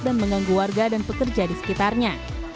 dan mengganggu warga dan pekerja di sekitarnya